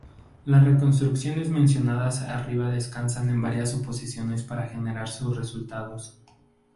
Las reconstrucciones mencionadas arriba descansan en varias suposiciones para generar sus resultados.